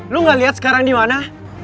lu gak lihat sekarang di mana